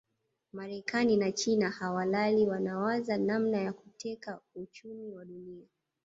Marekani na China hawalali wanawaza namna ya kuteka uchumi wa Dunia